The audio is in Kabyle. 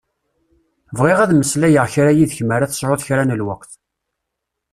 Bɣiɣ ad meslayeɣ kra yid-k m'ara tesεuḍ kra n lweqt.